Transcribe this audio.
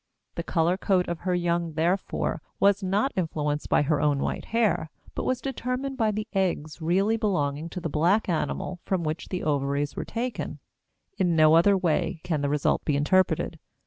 The color coat of her young, therefore, was not influenced by her own white hair, but was determined by the eggs really belonging to the black animal from which the ovaries were taken; in no other way can the result be interpreted.